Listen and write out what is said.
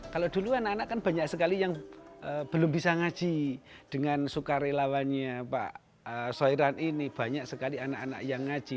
kalau dulu anak anak kan banyak sekali yang belum bisa ngaji dengan sukarelawannya pak soiran ini banyak sekali anak anak yang ngaji